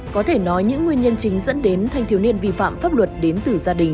có thể nói những nguyên nhân chính dẫn đến thanh thiếu niên vi phạm pháp luật đến từ gia đình